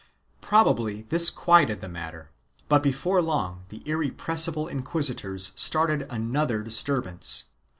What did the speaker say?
1 Probably this quieted the matter, but before long the irre pressible inquisitors started another disturbance.